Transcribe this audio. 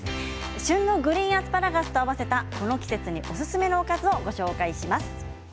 旬のグリーンアスパラガスと合わせたこの季節におすすめのおかずをご紹介します。